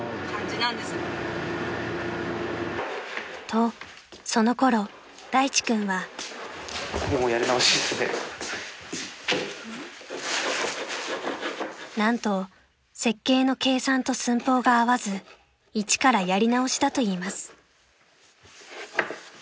［とそのころ大地君は］［なんと設計の計算と寸法が合わず一からやり直しだといいます］